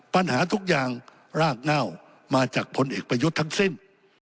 ปัญหาทุกอย่างรากเง่ามาจากพลเอกประยุทธ์ทั้งสิ้น